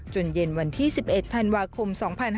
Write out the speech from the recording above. เย็นวันที่๑๑ธันวาคม๒๕๕๙